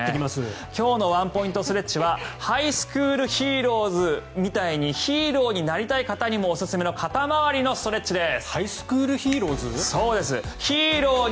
今日のワンポイントストレッチは「ハイスクールヒーローズ」みたいにヒーローになりたい方にもおすすめの肩回りのストレッチです。